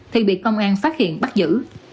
thì bị công an phát hiện bắt giữ